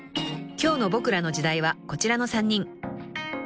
［今日の『ボクらの時代』はこちらの３人］